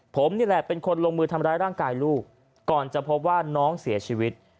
ผมนี่แหละเป็นคนลงมือทำร้ายร่างกายลูกก่อนจะพบว่าน้องเสียชีวิต